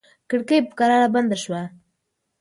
کړکۍ په کراره بنده شوه.